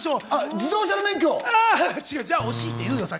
自動車の免許。